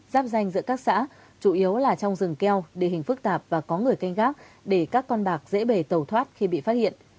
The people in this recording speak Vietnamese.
giáp danh giữa các xã chủ yếu là trong rừng keo địa hình phức tạp và có người canh gác để các con bạc dễ bể tẩu thoát khi bị phát hiện